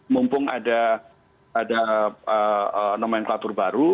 mumpung ada ada ee nomenklatur baru